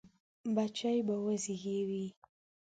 بچي به وزېږوي.